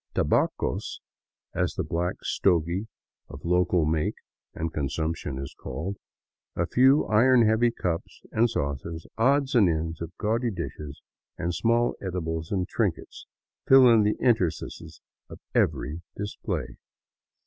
Tabacos," as the black stogie of local make and consumption is called, a few iron heavy cups and saucers, odds and ends of gaudy dishes, and small edibles and trinkets, fill in the interstices of every display.